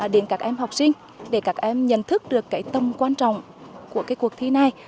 đến các em học sinh để các em nhận thức được cái tâm quan trọng của cuộc thi này